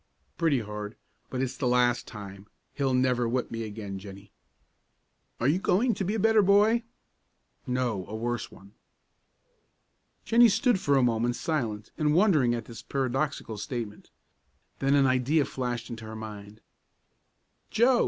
"Pretty hard, but it's the last time. He'll never whip me again, Jennie." "Are you going to be a better boy?" "No, a worse one." Jennie stood for a moment silent and wondering at this paradoxical statement. Then an idea flashed into her mind. "Joe!"